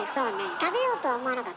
食べようとは思わなかった？